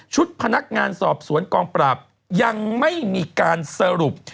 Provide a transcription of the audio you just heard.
พนักงานสอบสวนกองปราบยังไม่มีการสรุป